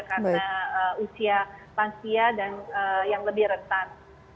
karena usia lansia yang lebih retan